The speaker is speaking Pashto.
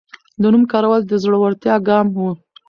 د نوم کارول د زړورتیا ګام و.